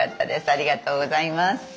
ありがとうございます。